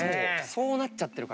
そうなっちゃってるから。